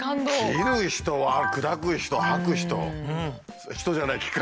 切る人砕く人掃く人「人」じゃない「機械」。